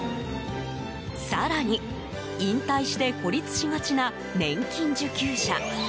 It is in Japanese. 更に、引退して孤立しがちな年金受給者。